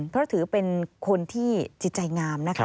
เพราะถือเป็นคนที่จิตใจงามนะคะ